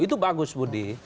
itu bagus budi